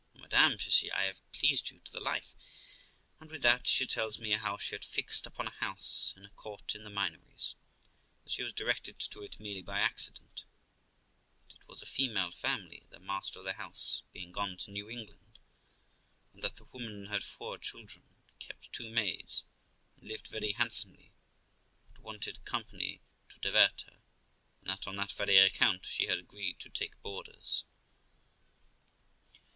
' O madam !' says, she, 'I have pleased you to the life'; and with that she tells me how she had fixed upon a house in a court in the Minories; that she was directed to it merely by accident; that it was a female family, the master of the house being gone to New England, and that the woman had four children, kept two maids, and lived very handsomely, but wanted company to divert her; and that on that very account she had agreed to take boarders.